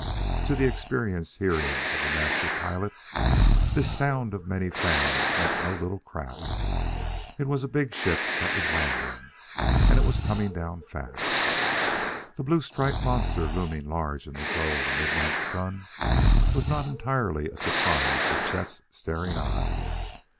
To the experienced hearing of the Master Pilot this sound of many fans meant no little craft. It was a big ship that was landing, and it was coming down fast. The blue striped monster looming large in the glow of the midnight sun was not entirely a surprise to Chet's staring eyes.